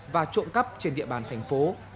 và trộn cắp trên địa bàn thành phố